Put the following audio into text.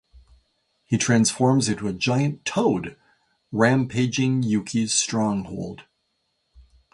He transforms into a giant toad, rampaging Yuki's stronghold.